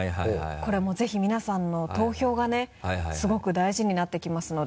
これもぜひ皆さんの投票がねすごく大事になってきますので。